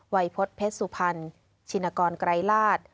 วัยพจน์เพชรสุพรรณชินกรไกรลาศ